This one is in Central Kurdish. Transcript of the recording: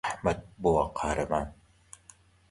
ئەحمەد بووە قارەمان.